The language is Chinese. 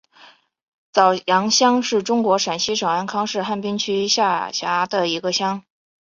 早阳乡是中国陕西省安康市汉滨区下辖的一个乡。